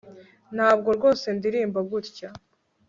Ntabwo rwose ndirimba gutya